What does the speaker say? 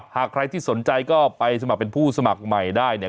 หากใครที่สนใจก็ไปสมัครเป็นผู้สมัครใหม่ได้เนี่ย